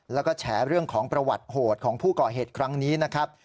แล้วก็แฉเรื่องของประวัติโหดของผู้ก่อเหตุครั้งนี้นะครับ